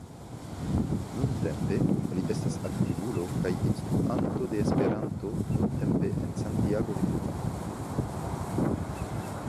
Nuntempe li estas aktivulo kaj instruanto de Esperanto nuntempe en Santiago de Cuba.